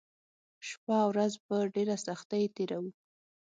شپه او ورځ په ډېره سختۍ تېروو